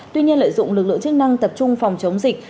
tuy nhiên lợi dụng lực lượng chức năng tập trung phòng chống dịch